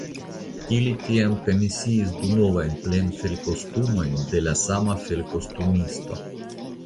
Ili tiam komisiis du novajn plenfelkostumojn de la sama felkostumisto.